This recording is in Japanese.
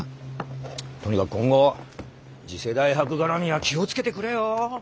とにかく今後次世代博がらみは気を付けてくれよ。